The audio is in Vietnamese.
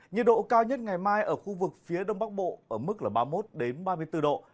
nhiệt độ cao nhất ngày mai ở khu vực phía đông bắc bộ ở mức ba mươi một ba mươi bốn độ